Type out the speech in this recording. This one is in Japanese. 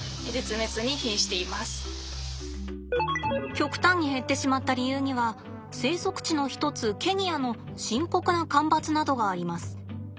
極端に減ってしまった理由には生息地の一つケニアの深刻な干ばつなどがあります。